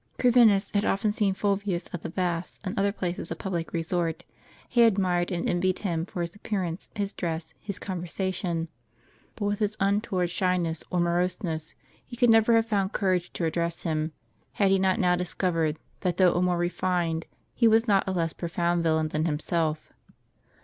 Corvinus had often seen Fulvius at the baths and other places of public resort, had admired and envied him, for his appearance, his dress, his conversation. But with his untoward shyness, or moroseness, he could never have found courage to address him, had he not now discovered, that though a more refined, he was not a less profound, villain than himself.